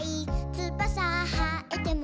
「つばさはえても」